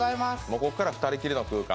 ここから２人きりの空間。